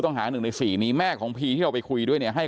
เตือนเขาบ่อยไหม